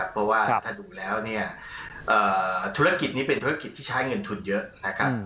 เพราะว่าถ้าดูแล้วเนี่ยธุรกิจนี้เป็นธุรกิจที่ใช้เงินทุนเยอะนะครับ